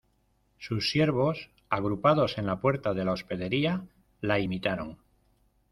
sus siervos, agrupados en la puerta de la hospedería , la imitaron